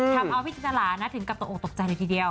ทำเอาพี่จินตรานะถึงกับตกออกตกใจเลยทีเดียว